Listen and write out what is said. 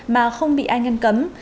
mà không bị ai ngăn cấm